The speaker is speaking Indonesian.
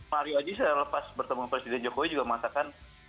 mario aji saya lepas bertemu presiden jokowi juga mengatakan